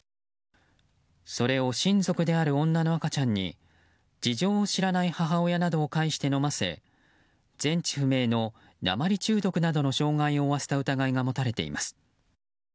それを親族である女の赤ちゃんに事情を知らない母親などを介して飲ませ全治不明の鉛中毒などの障害を負わせた疑いが持たれています。